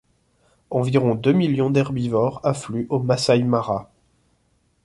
Environ deux millions d'herbivores affluent au Masaï Mara.